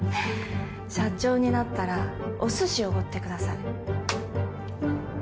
社長になったらおすしおごってください。